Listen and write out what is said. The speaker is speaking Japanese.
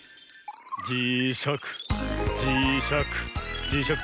じしゃくじしゃくじしゃく